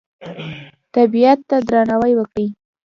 طبیعت ته درناوی وکړئ